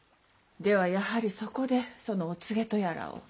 ではやはりそこでそのお告げとやらを。